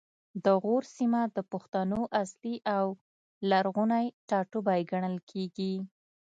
د غور سیمه د پښتنو اصلي او لرغونی ټاټوبی ګڼل کیږي